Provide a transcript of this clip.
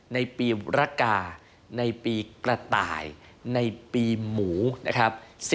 ในปีระกาในปีกระต่ายในปีหมูนะครับ